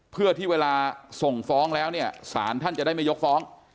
เพื่อที่เวลาส่งฟ้องแล้วเนี่ยสารท่านจะได้ไม่ยกฟ้อง